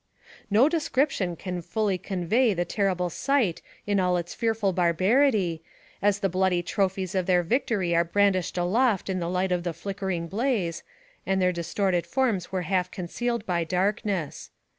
No description can fully convey the terrible sight in all its fearful barbarity, as the bloody trophies of their victory are brandished aloft in the light of the flickering blaze, and their distorted forms were half concealed by darkness.